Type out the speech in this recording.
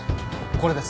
これです。